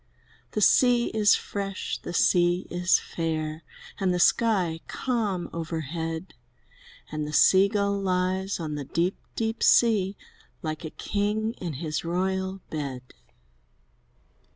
The sea is fresh, the sea is fair. And the sky calm overhead, And the Sea gull lies on the deep, deep sea. Like a king in his royal bed.